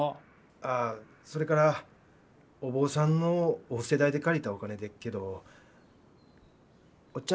ああそれからお坊さんのお布施代で借りたお金でっけどおっちゃん